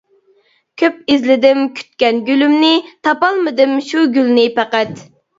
كۆپ ئىزلىدىم كۈتكەن گۈلۈمنى، تاپالمىدىم شۇ گۈلنى پەقەت.